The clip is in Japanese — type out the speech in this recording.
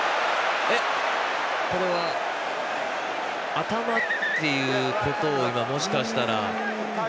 これは頭っていうことを今、もしかしたら。